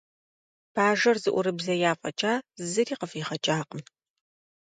Бажэр зэӀурыбзея фӀэкӀа, зыри къыфӀигъэкӀакъым.